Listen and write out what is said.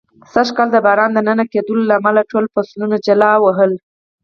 سږ کال د باران د نه کېدلو له امله، ټول فصلونه جل و وهل.